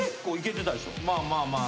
まあまあまあ。